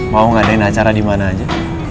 mau ngadain acara di mana aja